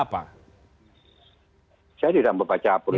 saya tidak membaca politik